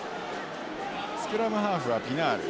スクラムハーフはピナール。